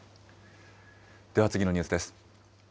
では、次のニュースです。